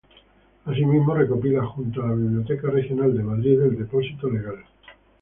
Asimismo recopila, junto a la Biblioteca Regional de Madrid, el Depósito Legal.